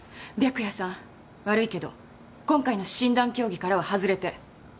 白夜さん悪いけど今回の診断協議からは外れて。